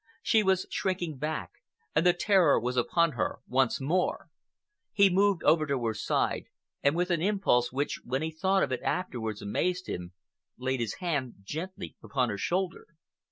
She was shrinking back, and the terror was upon her once more. He moved over to her side, and with an impulse which, when he thought of it afterwards, amazed him, laid his hand gently upon her shoulder.